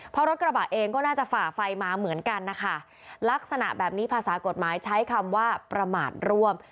เพราะรถกระบะเองก็น่าจะฝ่าไฟมาเหมือนกันนะคะลักษณะแบบนี้ภาษากฎหมายใช้คำว่าประมาทร่วม